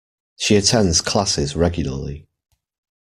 She attends classes regularly